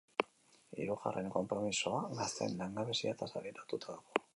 Hirugarren konpromisoa gazteen langabezia-tasari lotuta dago.